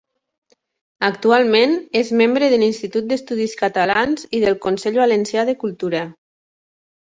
Actualment, és membre de l'Institut d'Estudis Catalans i del Consell Valencià de Cultura.